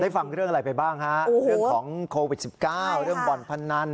ฟังเรื่องอะไรไปบ้างฮะเรื่องของโควิด๑๙เรื่องบ่อนพนัน